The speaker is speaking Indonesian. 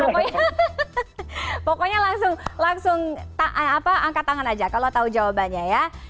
pokoknya pokoknya langsung langsung apa angkat tangan aja kalau tahu jawabannya ya